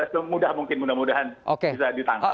semudah mungkin mudah mudahan bisa ditangkap